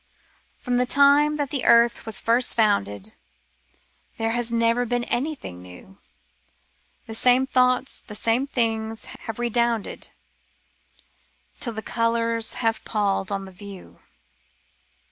From the time that the earth was first founded. There has never been anything new — The same thoughts, the same things, have redounded Till thp colours have pall'd on the view.